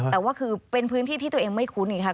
แต่ว่าคือเป็นพื้นที่ที่ตัวเองไม่คุ้นอีกค่ะ